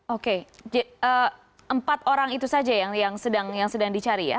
oke empat orang itu saja yang sedang dicari ya